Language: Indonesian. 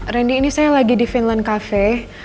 randy ini saya lagi di finland cafe